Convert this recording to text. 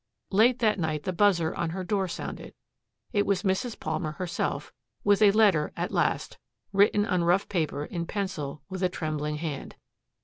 Late that night the buzzer on her door sounded. It was Mrs. Palmer herself, with a letter at last, written on rough paper in pencil with a trembling hand.